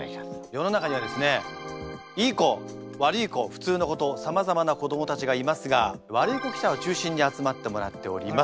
世の中にはですねいい子悪い子普通の子とさまざまな子どもたちがいますがワルイコ記者を中心に集まってもらっております。